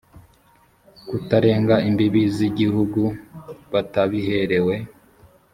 kutarenga imbibi z igihugu batabiherewe